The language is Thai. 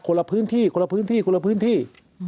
ละพื้นที่คนละพื้นที่คนละพื้นที่